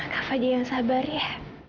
kak fadil yang sabar ya